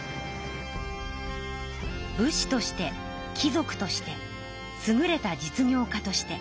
武士として貴族としてすぐれた実業家として。